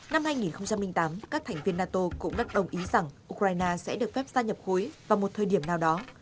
năm hai nghìn tám các thành viên nato cũng đã đồng ý rằng ukraine sẽ được phép gia nhập khối vào một thời điểm nào đó